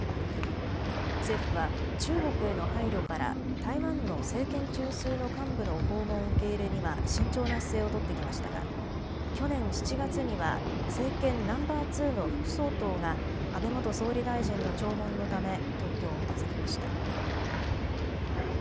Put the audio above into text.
政府は中国への配慮から台湾の政権中枢の幹部の訪問受け入れには慎重な姿勢を取ってきましたが去年７月には政権ナンバー２の副総統が安倍元総理大臣の弔問のため東京を訪れました。